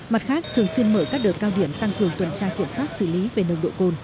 mặt khác thường xuyên mở các đợt cao điểm tăng cường tuần tra kiểm soát xử lý về nồng độ cồn